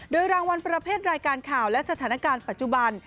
โดยรางวัลประเภทรายการข่าวและสถานการณ์ปัจจุบัน